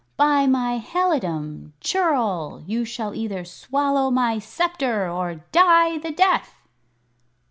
"By my halidom, churl, you shall either swallow my sceptre or die the death!"